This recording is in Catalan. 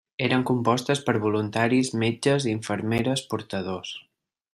Eren compostes per voluntaris, metges, infermeres, portadors.